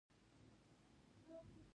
د انفلاسیون لوړوالی د پیسو ارزښت کموي.